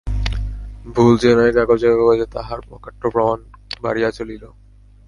ভুল যে নাই, কাগজে কাগজে তাহার অকাট্য প্রমাণ বাড়িয়া চলিল।